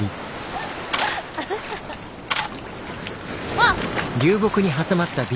あっ！